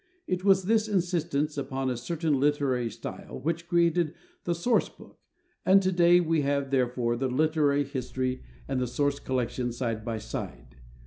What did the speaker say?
It was this insistence upon a certain literary style which created the source book; and to day we have therefore the literary history and the source collection side by side.